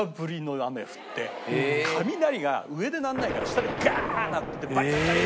雷が上で鳴らないから下でガーッて鳴っててバリバリバリ！